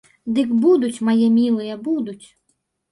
Дык будуць, мае мілыя, будуць.